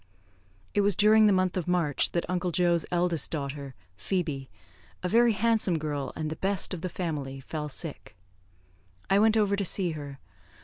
It was during the month of March that Uncle Joe's eldest daughter, Phoebe, a very handsome girl, and the best of the family, fell sick. I went over to see her.